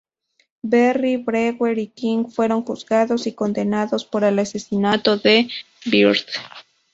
Berry, Brewer y King fueron juzgados y condenados por el asesinato de Byrd.